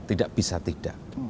tidak bisa tidak